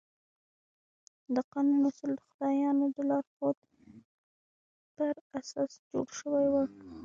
د قانون اصول د خدایانو د لارښوونو پر اساس جوړ شوي وو.